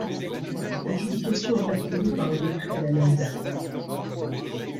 Cette adjudication est approuvée par un décret à la même date.